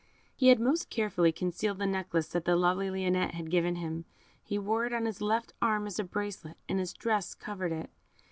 He had most carefully concealed the necklace that the lovely Lionette had given him; he wore it on his left arm as a bracelet, and his dress covered it.